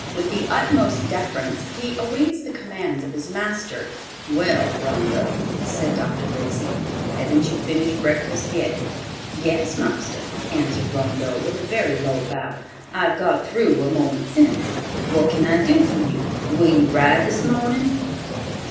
With the utmost deference, he awaits the commands of his master. "Well, Rondeau," said Dr. Lacey, "haven't you finished breakfast yet?" "Yes, marster," answered Rondeau, with a very low bow. "I've got through a moment since. What can I do for you. Will you ride this morning?"